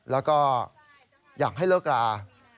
แล้วก็อยากให้เลิกรา